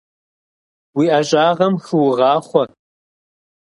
Уи ӀэщӀагъэм хыугъахъуэ!